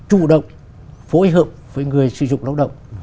chủ động phối hợp với người sử dụng lao động